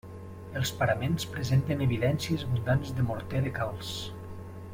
Els paraments presenten evidències abundants de morter de calç.